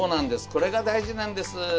これが大事なんです！